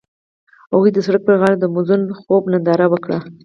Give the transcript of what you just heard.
هغوی د سړک پر غاړه د موزون خوب ننداره وکړه.